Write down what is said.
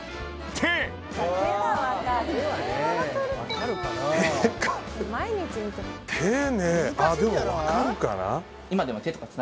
手か手ねあっでも分かるかな